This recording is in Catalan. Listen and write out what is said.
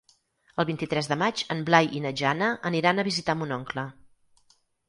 El vint-i-tres de maig en Blai i na Jana aniran a visitar mon oncle.